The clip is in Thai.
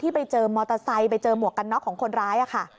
ไปเจอมอเตอร์ไซค์ไปเจอหมวกกันน็อกของคนร้ายค่ะ